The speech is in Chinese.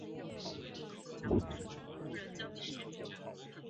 极乐前二村墓地的历史年代为卡约文化。